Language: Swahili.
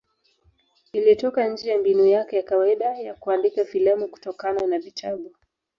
Ilitoka nje ya mbinu yake ya kawaida ya kuandika filamu kutokana na vitabu.